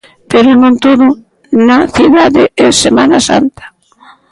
Pero non todo na cidade é Semana Santa.